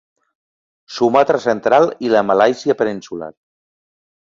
Sumatra central i la Malàisia peninsular.